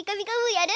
やる？